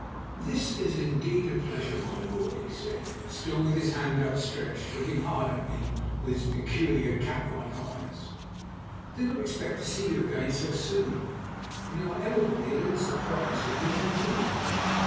"'This is indeed a pleasure, my lord,' he said, still with his hand out stretched, looking hard at me with his peculiar cat like eyes. 'I did not expect to see you again so soon. And you are evidently a little surprised at meeting me.'